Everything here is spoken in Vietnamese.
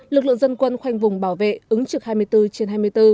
lực lượng dân quân khoanh vùng bảo vệ ứng trực hai mươi bốn trên hai mươi bốn